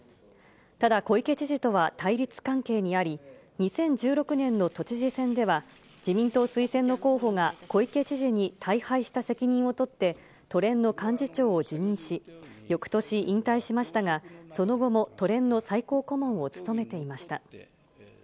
ただ、小池知事とは対立関係にあり、２０１６年の都知事選では、自民党推薦の候補が小池知事に大敗した責任を取って、都連の幹事長を辞任し、よくとし、引退しましたが、その後も都連の最高顧問を務めていました。